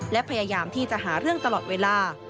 และพยายามที่จะหาเรื่องตลอดเวลา